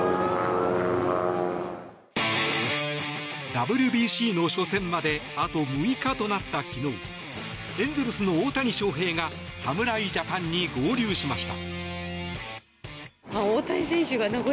ＷＢＣの初戦まであと６日となった昨日エンゼルスの大谷翔平が侍ジャパンに合流しました。